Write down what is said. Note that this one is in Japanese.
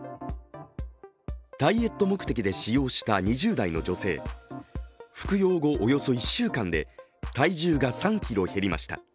ダイエット目的で使用した２０代の女性、服用後およそ１週間で、体重が３ｋｇ減りました。